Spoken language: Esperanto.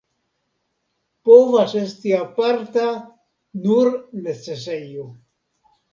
Povas esti aparta nur necesejo.